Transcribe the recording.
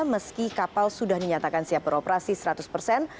meski kapal sudah dinyatakan siap beroperasi seratus persen